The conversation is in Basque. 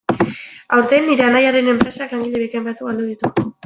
Aurten, nire anaiaren enpresak langile bikain batzuk galdu ditu.